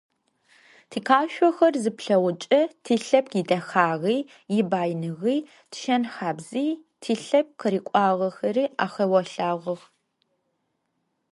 Тикъашъохэр зыплъэгъукӏэ тилъэпкъ идэхагъи, ибаиныгъи, тишэн-хабзи, тилъэпкъ къырыкӏуагъэри ахэолъагъох.